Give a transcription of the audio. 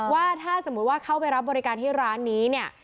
ว่าถ้าสมมุติว่าเข้าไปรับบริการที่ร้านนี้เนี่ย